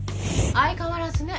相変わらずね。